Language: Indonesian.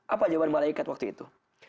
apa jawaban malaikat waktu itu